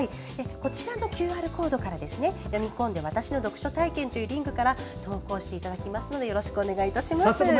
こちらのＱＲコードから読み込んで「わたしの読書体験」というリンクから投稿していただけますのでよろしくお願いいたします。